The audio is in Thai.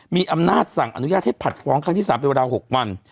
มีอำนาจสั่งอนุญาตให้ผัดฟ้องครั้งที่๓เป็นเวลา๖วัน